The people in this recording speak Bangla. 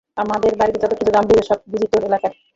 আমাদের বাড়ির যত কিছু গাম্ভীর্য সব বুঝি তোর একলার?